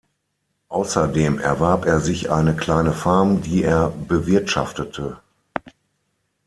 Außerdem erwarb er sich eine kleine Farm, die er bewirtschaftete.